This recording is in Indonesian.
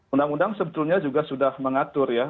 undang undang sebetulnya juga sudah mengatur ya